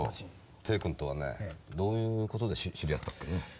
テイ君とはねどういうことで知り合ったっけね。